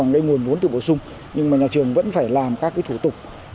lấy nguồn vốn tự bổ sung nhưng mà nhà trường vẫn phải làm các cái thủ tục